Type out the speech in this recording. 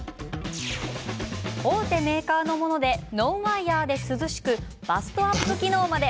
大手メーカーのものでノンワイヤーで涼しくバストアップ機能まで。